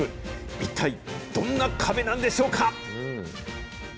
一体どんな壁なんでしょうか？